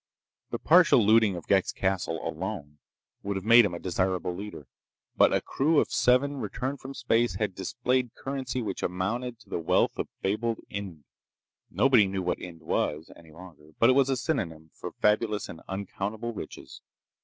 The partial looting of Ghek's castle, alone, would have made him a desirable leader. But a crew of seven, returned from space, had displayed currency which amounted to the wealth of fabled Ind. Nobody knew what Ind was, any longer, but it was a synonym for fabulous and uncountable riches.